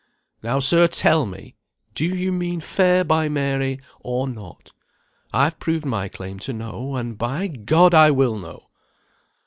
Now, sir, tell me! do you mean fair by Mary or not? I've proved my claim to know, and, by G , I will know."